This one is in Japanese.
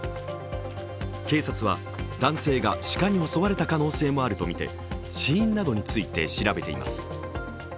警察は男性が鹿に襲われた可能性もあるとみて死因などについて調べています。